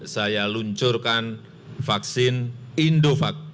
saya luncurkan vaksin indovac